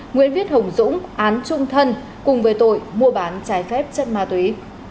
nguyễn viết hồng dũng án trung thân cùng với tội mua bán trái phép chất ma túy